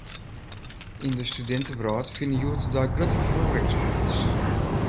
Yn de studintewrâld fine hjoed-de-dei grutte feroarings pleats.